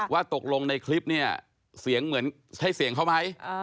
ว่าตกลงในคลิปเนี่ยเสียงเหมือนใช่เสียงเขาไหม